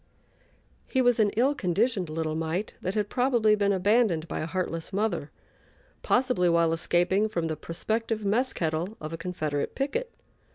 He was an ill conditioned little mite that had probably been abandoned by a heartless mother, possibly while escaping from the prospective mess kettle of a Confederate picket.